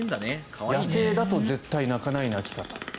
野生だと絶対鳴かない鳴き方。